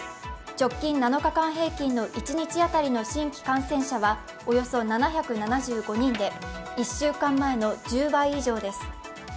直近７日間平均の一日当たりの新規感染者はおよそ７７５人で１週間前の１０倍以上です。